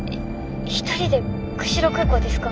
一人で釧路空港ですか？